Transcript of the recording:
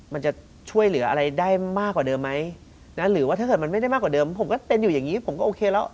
มันจะช่วยเหลืออะไรได้มากกว่าเดิมไหมนะหรือว่าถ้าเกิดมันไม่ได้มากกว่าเดิมผมก็เต้นอยู่อย่างนี้ผมก็โอเคแล้ว